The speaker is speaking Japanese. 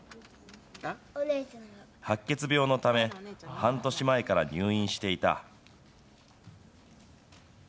白血病のため、半年前から入院していた。